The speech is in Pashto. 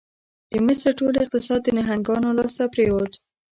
د مصر ټول اقتصاد د نهنګانو لاس ته پرېوت.